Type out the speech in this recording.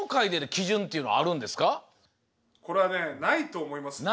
でも親方これはねないと思いますね。